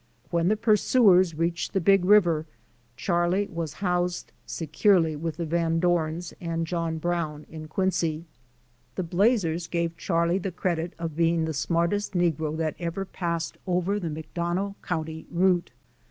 When the pur suers reached the big river Charlie was housed securely with the Van Dorns and John Brown in Quincy. The Blazers gave Charlie the credit of being the smartest negro that ever passed over the McDonough county route.